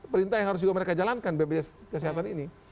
perintah yang harus juga mereka jalankan bpjs kesehatan ini